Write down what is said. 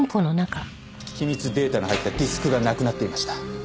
機密データの入ったディスクがなくなっていました。